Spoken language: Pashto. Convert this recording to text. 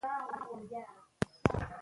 منی د افغانستان یوه طبیعي ځانګړتیا ده.